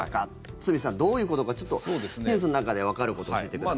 堤さん、どういうことかニュースの中でわかることを教えてください。